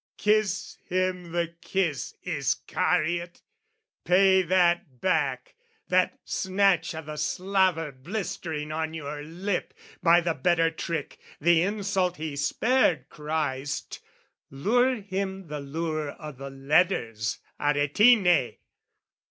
Kiss him the kiss, Iscariot! Pay that back, That snatch o' the slaver blistering on your lip By the better trick, the insult he spared Christ Lure him the lure o' the letters, Aretine!